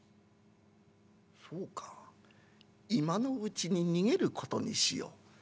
そうか今のうちに逃げることにしよう」。